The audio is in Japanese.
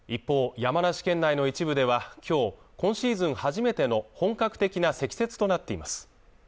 山梨県内の一部では今日今シーズン初めての本格的な積雪となっています